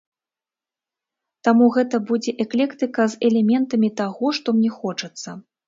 Таму гэта будзе эклектыка з элементамі таго, што мне хочацца.